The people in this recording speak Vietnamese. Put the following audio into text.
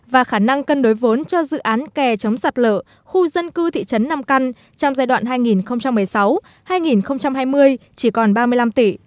và khả năng cân đối vốn cho dự án kè chống sạt lở khu dân cư thị trấn nam căn trong giai đoạn hai nghìn một mươi sáu hai nghìn hai mươi chỉ còn ba mươi năm tỷ